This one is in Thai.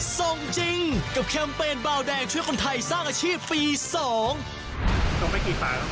ส่งไปกี่ฝาครับพี่